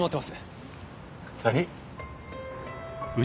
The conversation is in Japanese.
何？